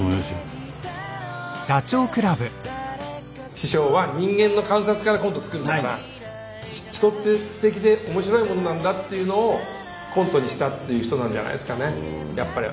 師匠は人間の観察からコント作るから人ってすてきで面白いものなんだっていうのをコントにしたっていう人なんじゃないですかねやっぱり。